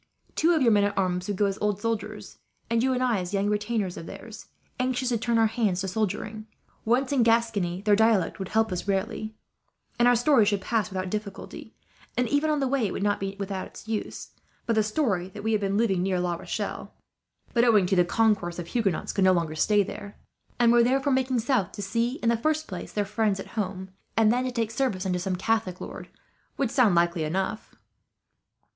Two of your men at arms would go as old soldiers, and you and I as young relations of theirs, anxious to turn our hands to soldiering. Once in Gascony, their dialect would help us rarely, and our story should pass without difficulty; and even on the way it would not be without its use, for the story that they have been living near La Rochelle but, owing to the concourse of Huguenots, could no longer stay there; and were therefore making south to see, in the first place, their friends at home; and then to take service, under some Catholic lord, would sound likely enough."